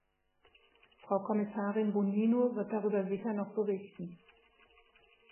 Frau Kommissarin Bonino wird darüber sicher noch berichten.